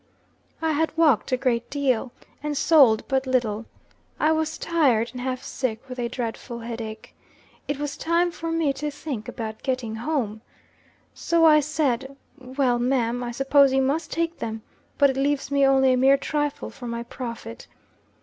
I had walked a great deal, and sold but little. I was tired, and half sick with a dreadful headache. It was time for me to think about getting home. So I said, 'Well, ma'am, I suppose you must take them, but it leaves me only a mere trifle for my profit.'